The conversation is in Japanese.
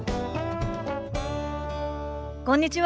こんにちは。